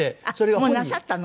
もうなさったの？